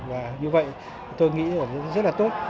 và như vậy tôi nghĩ là rất là tốt